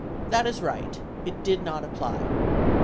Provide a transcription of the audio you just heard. That is right. It did. not apply.